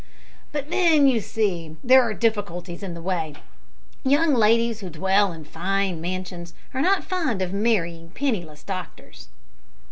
"But then, you see, there are difficulties in the way. Young ladies who dwell in fine mansions are not fond of marrying penniless doctors."